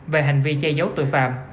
về hành vi che giấu tội phạm